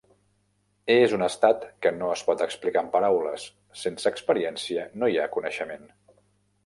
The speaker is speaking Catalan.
És un estat que no es pot explicar en paraules: sense experiència, no hi ha coneixement.